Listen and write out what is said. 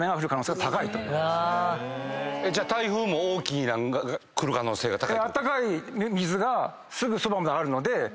じゃ台風も大きいなんが来る可能性が高い？